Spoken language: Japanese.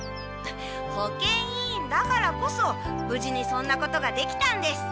保健委員だからこそぶじにそんなことができたんです。